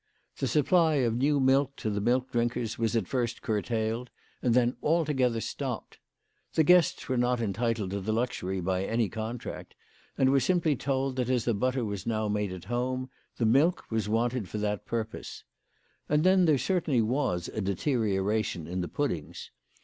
The supply of new milk to the milk drinkers was at first curtailed, and then altogether stopped. The guests were not entitled to the luxury by any contract, and were simply told that as the butter was now made at home, the milk was wanted for that purpose. And then there certainly was a deterioration in the pud dings.